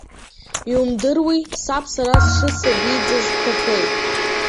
Иумдыруеи, саб сара сшысабиӡаз дҭахеит.